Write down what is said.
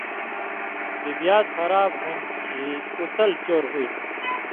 تِبیات خراب ہُون٘دیۡ کھیں اُو تل چور ہُوئ تُھو